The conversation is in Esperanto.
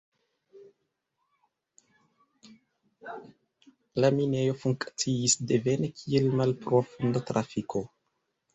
La minejo funkciis devene kiel malprofunda trafiko.